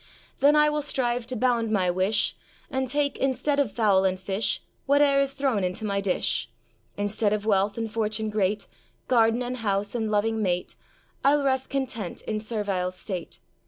Then I will strive to bound my wish, And take, instead of fowl and fish, Whate'er is thrown into my dish. Instead of wealth and fortune great, Garden and house and loving mate, I'll rest content in servile state.